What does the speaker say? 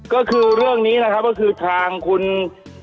คุณติเล่าเรื่องนี้ให้ฟังหน่อยครับมันเป็นหมายยังไงฮะ